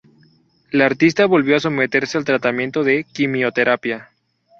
La artista volvió a someterse al tratamiento de quimioterapia.